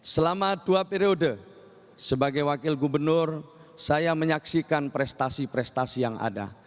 selama dua periode sebagai wakil gubernur saya menyaksikan prestasi prestasi yang ada